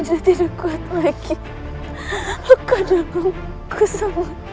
aku tidak bisa